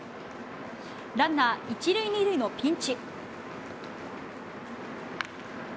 ランナー１塁２塁のピンチ。